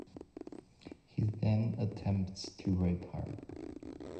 He then attempts to rape her.